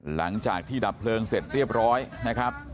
หลังจากที่ดับเพลิงเสร็จเรียบร้อยนะครับ